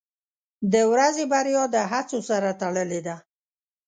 • د ورځې بریا د هڅو سره تړلې ده.